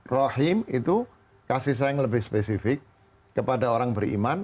rahim itu kasih sayang lebih spesifik kepada orang beriman